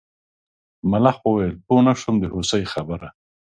ملخ وویل پوه نه شوم د هوسۍ خبره.